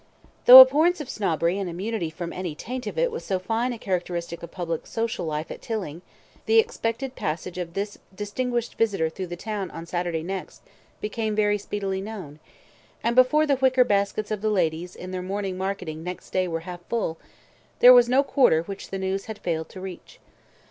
Though abhorrence of snobbery and immunity from any taint of it was so fine a characteristic of public social life at Tilling, the expected passage of this distinguished visitor through the town on Saturday next became very speedily known, and before the wicker baskets of the ladies in their morning marketings next day were half full, there was no quarter which the news had failed to reach.